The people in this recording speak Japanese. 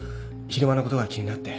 昼間のことが気になって。